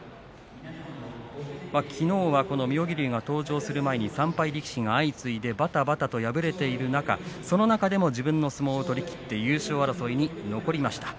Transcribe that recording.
きのうは妙義龍が登場する前に３敗力士がばたばた倒れる中自分の相撲を取って優勝争いに残りました。